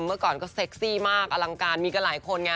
เมื่อก่อนก็เซ็กซี่มากอลังการมีกันหลายคนไง